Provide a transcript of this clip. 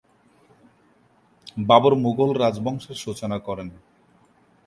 বাবর মুঘল রাজবংশের সূচনা করেন।